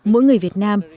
mỗi người việt nam